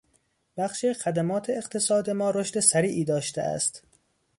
بخش خدمات اقتصاد ما رشد سریعی داشته است.